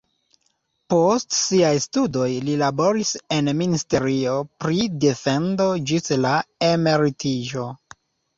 Post siaj studoj li laboris en ministerio pri defendo ĝis la emeritiĝo.